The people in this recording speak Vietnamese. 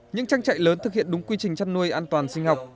những trang trại lớn thực hiện đúng quy trình chăn nuôi an toàn sinh học